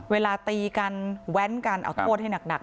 เวลาตีกันแว้นกันเอาโทษให้หนัก